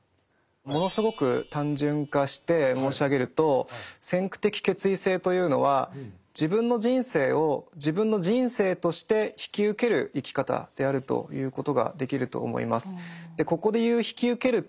ものすごく単純化して申し上げると先駆的決意性というのは自分の人生を自分の人生として引き受ける生き方であると言うことができると思います。